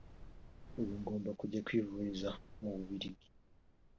ubu agomba kujya kwivuriza mu Bubiligi